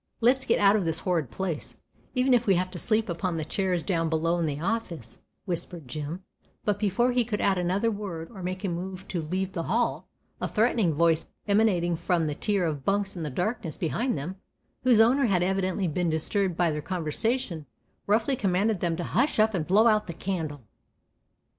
"Let's get out of this horrid place, even if we have to sleep upon the chairs down below in the office," whispered Jim; but before he could add another word or make a move to leave the hall, a threatening voice, emanating from the tier of bunks in the darkness behind them, whose owner had evidently been disturbed by their conversation, roughly commanded them to "hush up and blow out the candle."